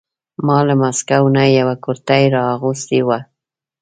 ما له مسکو نه یوه کرتۍ را اغوستې وه.